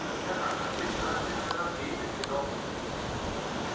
勝手に感じてくださっていいんですけど。ですよ。